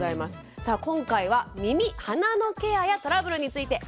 さあ今回は耳・鼻のケアやトラブルについてアンケートにお答え